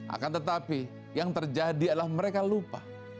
akan tetapi yang terjadi adalah mereka lupa